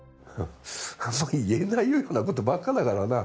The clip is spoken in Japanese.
もう言えないような事ばっかだからな。